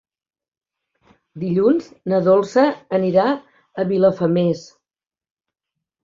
Dilluns na Dolça anirà a Vilafamés.